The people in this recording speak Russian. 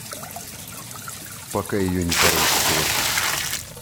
Пока ее не порвут в клочья.